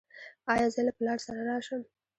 ایا زه له پلار سره راشم؟